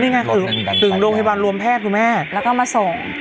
นี่ไงถึงโรงพยาบาลรวมแพทย์คุณแม่แล้วก็มาส่ง